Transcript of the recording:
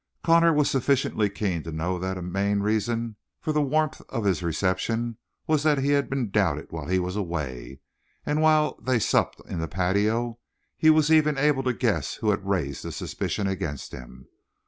Connor was sufficiently keen to know that a main reason for the warmth of his reception was that he had been doubted while he was away, and while they supped in the patio he was even able to guess who had raised the suspicion against him.